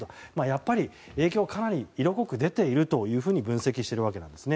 やっぱり影響はかなり色濃く出ていると分析しているわけなんです。